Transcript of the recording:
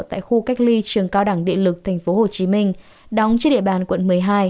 tại khu cách ly trường cao đẳng điện lực tp hcm đóng trên địa bàn quận một mươi hai